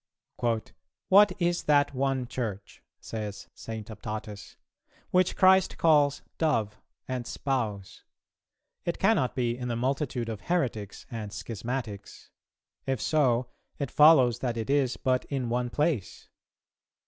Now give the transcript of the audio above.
"What is that one Church," says St. Optatus, "which Christ calls 'Dove' and 'Spouse'? ... It cannot be in the multitude of heretics and schismatics. If so, it follows that it is but in one place.